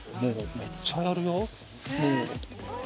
めっちゃやるよ。